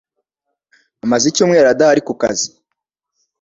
Amaze icyumweru adahari ku kazi.